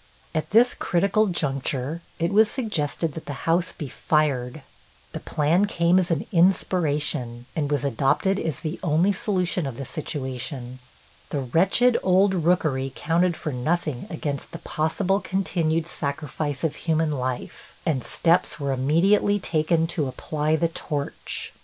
At this critical juncture it was suggested that the house be fired. The plan came as an inspiration, and was adopted as the only solution of the situation. The wretched old rookery counted for nothing against the possible continued sacrifice of human life, and steps were immediately taken to apply the torch.